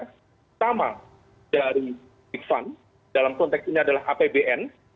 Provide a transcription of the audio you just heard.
utama dari public fund dalam konteks ini adalah apbn